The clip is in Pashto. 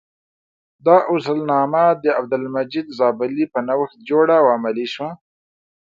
دا اصولنامه د عبدالمجید زابلي په نوښت جوړه او عملي شوه.